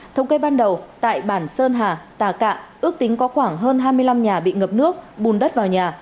thống kê ban đầu tại bản sơn hà tà cạ ước tính có khoảng hơn hai mươi năm nhà bị ngập nước bùn đất vào nhà